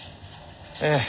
ええ。